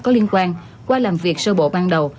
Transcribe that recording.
có liên quan qua làm việc sơ bộ ban đầu